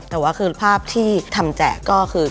แต่ว่าคือภาพที่ทำแจกก็คือ